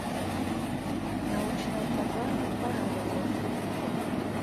Научная программа порадовала.